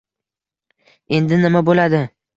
Endi nima bo`ladi